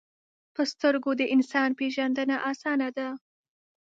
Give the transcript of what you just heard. په سترګو د انسان پیژندنه آسانه ده